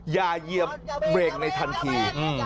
อย่าเยียบเบรกในทันที